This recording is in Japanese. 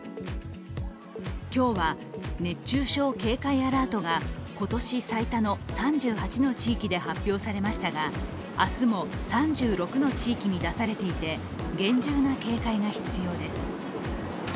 今日は、熱中症警戒アラートが今年最多の３８の地域で発表されましたが明日も３６の地域に出されていて厳重な警戒が必要です。